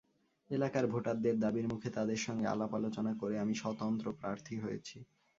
এলাকার ভোটারদের দাবির মুখে, তাঁদের সঙ্গে আলাপ-আলোচনা করে আমি স্বতন্ত্র প্রার্থী হয়েছি।